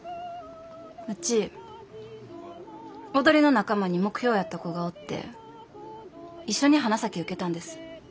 ウチ踊りの仲間に目標やった子がおって一緒に花咲受けたんです。